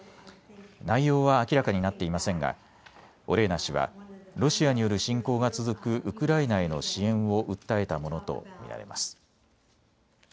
内容は明らかになっていませんがオレーナ氏はロシアによる侵攻が続くウクライナへの支援を訴えたものと見られます。